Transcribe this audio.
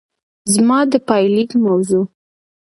زما د پايليک موضوع